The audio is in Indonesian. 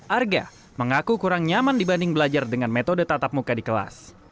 arga mengaku kurang nyaman dibanding belajar dengan metode tatap muka di kelas